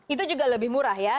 itu juga lebih murah ya